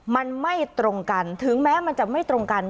มันไม่ตรงกันถึงแม้มันจะไม่ตรงกัน